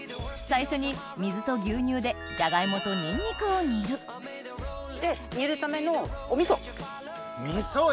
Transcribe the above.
最初に水と牛乳でジャガイモとニンニクを煮る煮るためのお味噌。